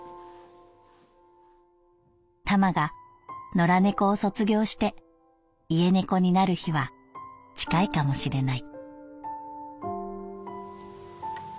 「タマが野良猫を卒業して家猫になる日は近いかもしれない」。